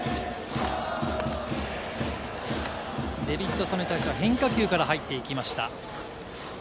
デビッドソンに対しては変化球から入っていきました。